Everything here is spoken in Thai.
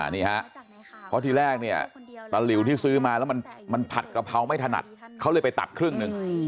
นี่ฮะเพราะที่แรกเนี่ยตะหลิวที่ซื้อมาแล้วมันผัดกระเพราไม่ถนัดเขาเลยไปตัดครึ่งหนึ่ง